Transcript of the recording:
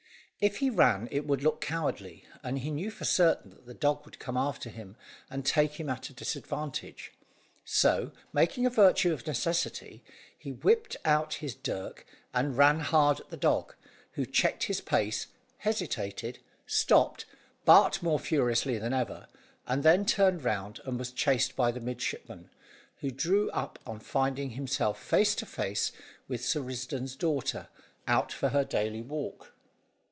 If he ran it would look cowardly, and he knew for certain that the dog would come after him, and take him at a disadvantage; so, making a virtue of necessity, he whipped out his dirk and ran hard at the dog, who checked his pace, hesitated, stopped, barked more furiously than ever, and then turned round, and was chased by the midshipman, who drew up on finding himself face to face with Sir Risdon's daughter, out for her daily walk.